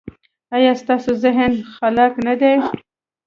ایا ستاسو ذهن خلاق نه دی؟